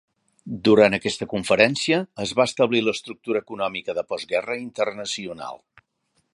Durant aquesta conferència es va establir l'estructura econòmica de post-guerra internacional.